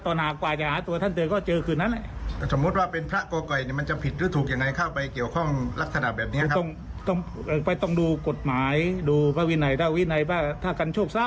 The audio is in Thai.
ยักษ์ยอกทรัพย์อันนั้นมันก็ไปบ้าตามวินัยอีก